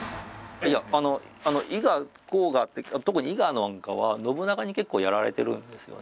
伊賀甲賀って特に伊賀なんかは信長に結構やられてるんですよね。